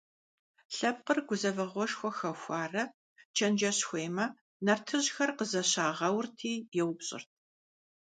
Лъэпкъыр гузэвэгъуэшхуэ хэхуарэ чэнджэщ хуеймэ, нартыжьхэр къызэщагъэурти еупщӀырт.